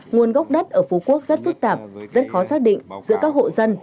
nguồn gốc đất ở phú quốc rất phức tạp rất khó xác định giữa các hộ dân